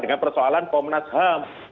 dengan persoalan komnas ham